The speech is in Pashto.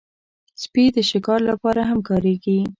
سپي د شکار لپاره هم کارېږي.